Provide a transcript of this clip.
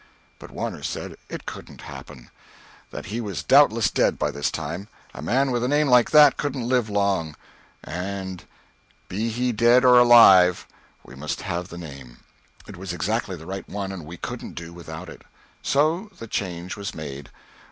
But Warner said it couldn't happen; that he was doubtless dead by this time, a man with a name like that couldn't live long; and be he dead or alive we must have the name, it was exactly the right one and we couldn't do without it. So the change was made.